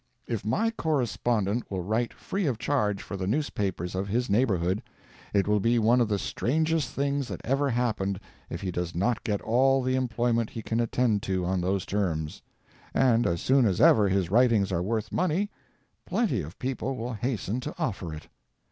If my correspondent will write free of charge for the newspapers of his neighborhood, it will be one of the strangest things that ever happened if he does not get all the employment he can attend to on those terms. And as soon as ever his writings are worth money, plenty of people will hasten to offer it.